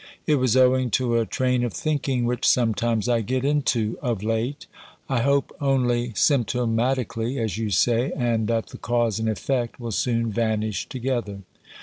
It was owing to a train of thinking which sometimes I get into, of late; I hope only symptomatically, as you say, and that the cause and effect will soon vanish together.